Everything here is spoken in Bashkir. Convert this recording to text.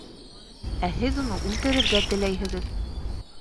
— Ә һеҙ уны үлтерергә теләйһегеҙ!